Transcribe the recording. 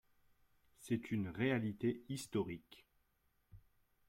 C’est une réalité historique